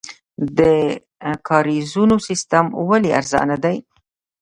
د کاریزونو سیستم ولې ارزانه دی؟